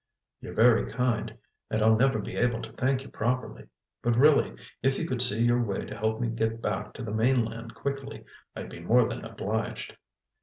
"You're very kind, and I'll never be able to thank you properly. But, really, if you could see your way to help me get back to the mainland quickly, I'd be more than obliged."